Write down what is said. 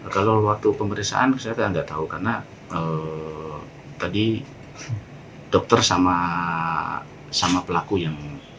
kalau waktu pemeriksaan saya nggak tahu karena tadi dokter sama pelaku yang